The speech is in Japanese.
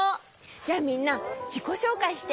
じゃあみんなじこしょうかいして。